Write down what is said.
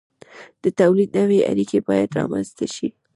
د تولید نوې اړیکې باید رامنځته شي.